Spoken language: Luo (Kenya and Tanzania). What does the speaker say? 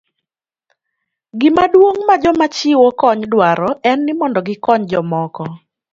Gima duong' ma joma chiwo kony dwaro en ni mondo gikony jomoko.